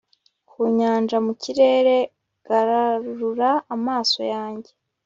ku nyanja, mu kirere, garura amaso yanjye